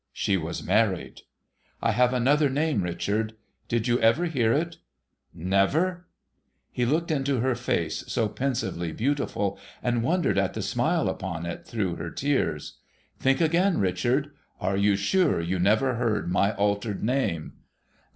She was married. ' I have another name, Richard. Did you ever hear it ?'* Never !' He looked into her face, so pensively beautiful, and wondered at the smile upon it through her tears, ' Think again, Richard. Are you sure you never heard my altered name